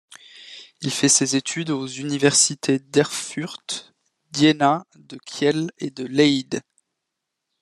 Il fait ses études aux universités d'Erfurt, d'Iéna, de Kiel et de Leyde.